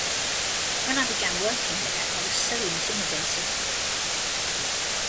When I began working there I was so intimidated.